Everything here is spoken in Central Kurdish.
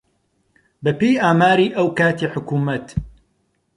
بەپێی ئاماری ئەو کاتی حکوومەت